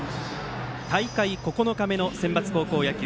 大会９日目のセンバツ高校野球。